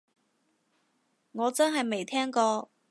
我真係未聽過